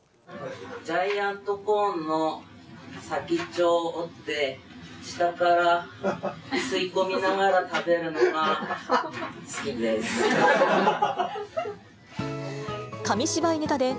ジャイアントコーンの先っちょを折って、下から吸い込みながら食べるのが好きです。